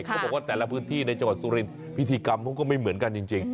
เขาบอกว่าแต่ละพื้นที่ในจังหวัดสุรินพิธีกรรมเขาก็ไม่เหมือนกันจริง